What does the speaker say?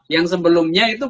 yang sebelumnya itu